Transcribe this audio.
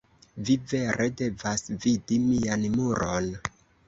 Vi vere devas vidi mian muron.